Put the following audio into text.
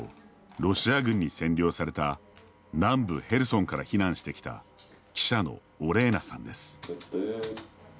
ロシア軍に占領された南部ヘルソンから避難してきた記者のオレーナさんです。